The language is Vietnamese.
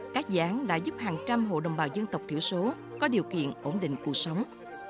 các dự án đã giúp hàng trăm hộ đồng bào dân tộc thiểu số có điều kiện ổn định cuộc sống